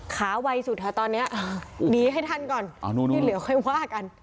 ขาวัยสุดฮะตอนเนี้ยอืมหนีให้ทันก่อนอ๋อนู่นู่นู่นอยู่เหลือค่อยว่ากัน